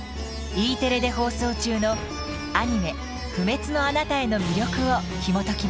Ｅテレで放送中のアニメ「不滅のあなたへ」の魅力をひもときます。